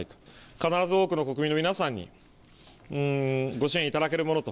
必ず多くの国民の皆さんに、ご支援いただけるものと。